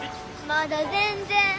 まだ全然。